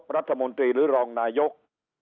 รัฐมนตรีหรือรองนายก